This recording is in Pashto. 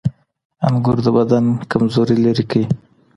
انګور د بدن کمزوري لرې کوي.